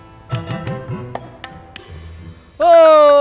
dia udah highness perang